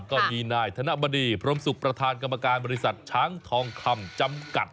ก็มีนายธนบดีพรมศุกร์ประธานกรรมการบริษัทช้างทองคำจำกัด